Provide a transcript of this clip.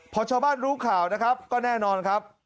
พอชาวบ้านรู้ข่าวนะครับก็แน่นอนครับ